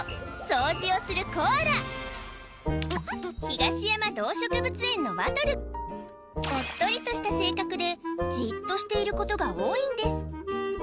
東山動植物園のワトルおっとりとした性格でじっとしていることが多いんです